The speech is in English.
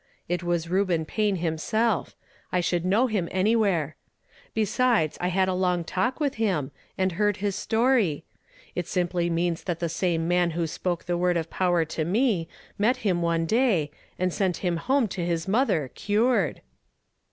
It was Reuben Payne himself; I should know him anywhere. Besides, I had a long talk with him, and heard his story. It simply means that the same man who spoke the word of power to me met him one day, and sent him home to his motlier, cured."